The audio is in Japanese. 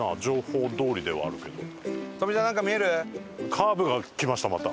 カーブがきましたまた。